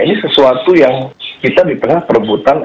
ini sesuatu yang kita di tengah perebutan